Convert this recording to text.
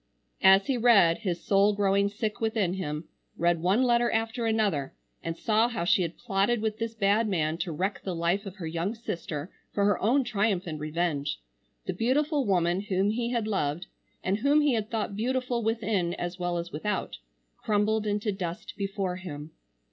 As he read, his soul growing sick within him,—read one letter after another, and saw how she had plotted with this bad man to wreck the life of her young sister for her own triumph and revenge,—the beautiful woman whom he had loved, and whom he had thought beautiful within as well as without, crumbled into dust before him.